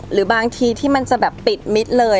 หรือบางทีที่มันจะแบบปิดมิตรเลย